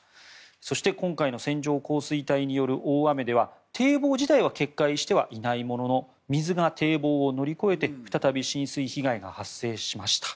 そして、今回の線状降水帯による大雨では堤防自体は決壊してはいないものの水が堤防を乗り越えて再び浸水被害が発生しました。